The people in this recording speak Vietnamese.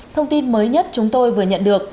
thông tin mới nhất chúng tôi vừa nhận được